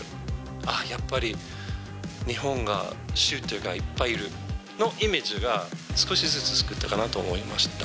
ああやっぱり、日本はシューターがいっぱいいるのイメージが少しずつ作ったかなと思いました。